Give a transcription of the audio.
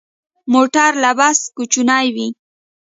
موټر له بس کوچنی وي.